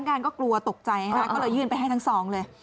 พนักการก็กลัวตกใจนะฮะก็เลยยื่นไปให้ทั้งสองเลย